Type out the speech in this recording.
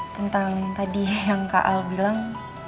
tentang tadi yang kak al bilang